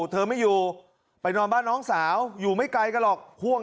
เธอไม่อยู่ไปนอนบ้านน้องสาวอยู่ไม่ไกลกันหรอกห่วง